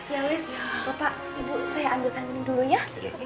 ya list bapak ibu saya ambilkan ini dulu ya